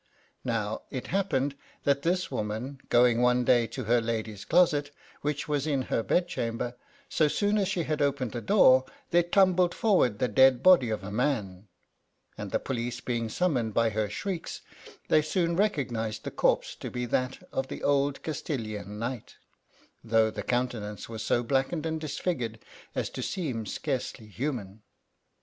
Now, it happened that this woman going one day to her lady's closet, which was in her bedchamber, —• so scon as she had opened the door, there tumbled forward the dead body of a man ; and the police being summoned by her shrieks, they soon recognised the corpse to be that of the old Castilian knight, though the countenance was so blackened and disfigured as to seem scarcely human.